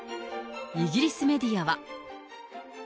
イギリスメディアは。